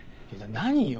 何よ。